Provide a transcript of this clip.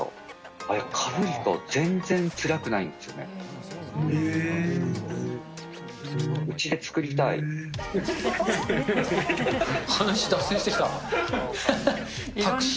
あれ、かぶると全然つらくないんへー。